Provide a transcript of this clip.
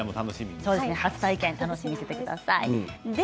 初体験を楽しみにしてください。